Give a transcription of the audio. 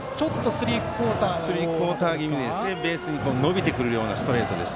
スリークオーター気味でベースで伸びてくるようなストレートです。